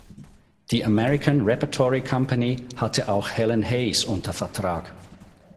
Die American Repertory Company hatte auch Helen Hayes unter Vertrag.